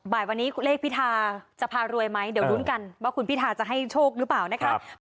บ่ายวันนี้เลขพิธาจะพารวยไหมเดี๋ยวลุ้นกันว่าคุณพิทาจะให้โชคหรือเปล่านะคะ